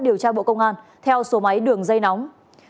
điều tra bộ công an theo số máy đường dây nóng